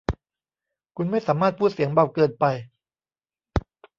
คุณไม่สามารถพูดเสียงเบาเกินไป